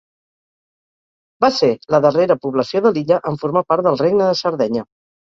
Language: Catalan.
Va ser la darrera població de l’illa en formar part del Regne de Sardenya.